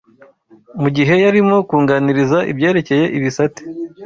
Mu gihe yarimo kunganiriza ibyerekeye ibisate